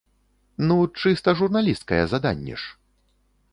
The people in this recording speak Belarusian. Ну, чыста журналісцкае заданне ж!